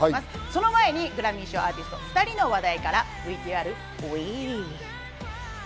その前にグラミー賞アーティスト、２人の話題からＶＴＲＷＥ！